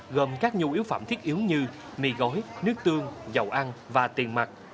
gồm các nhu yếu phẩm thiết yếu như mì gối nước tương dầu ăn và tiền mặt